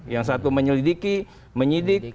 yang satu menyelidiki menyidik